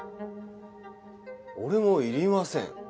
「俺もいりません」